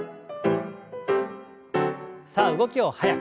さあ動きを速く。